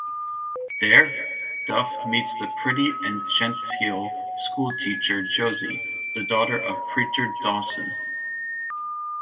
There, Duff meets the pretty and genteel schoolteacher Josie, the daughter of Preacher Dawson.